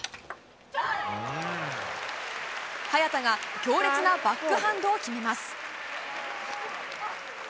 早田が強烈なバックハンドを決めます。